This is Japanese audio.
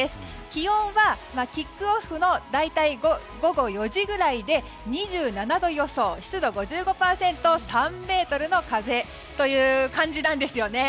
気温はキックオフの大体午後４時くらいで２７度予想、湿度５５％３メートルの風という感じなんですよね。